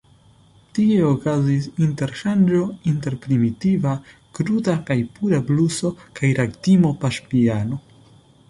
Tie okazis interŝanĝo inter primitiva, kruda kaj pura bluso kaj ragtimo-paŝpiano.